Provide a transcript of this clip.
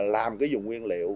làm cái dùng nguyên liệu